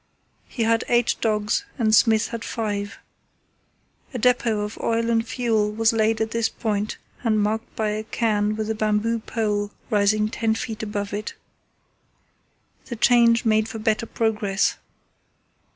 He had eight dogs and Smith had five. A depot of oil and fuel was laid at this point and marked by a cairn with a bamboo pole rising ten feet above it. The change made for better progress.